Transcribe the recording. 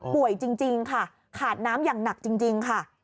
จริงค่ะขาดน้ำอย่างหนักจริงค่ะ